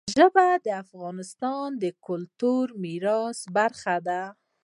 ژبې د افغانستان د کلتوري میراث برخه ده.